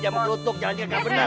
jalankan lutuk jalan ini kaga bener